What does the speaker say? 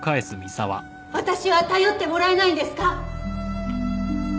私は頼ってもらえないんですか？